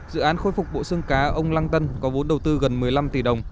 dự án khôi phục bộ xương cá ông lăng tân có vốn đầu tư gần một mươi năm tỷ đồng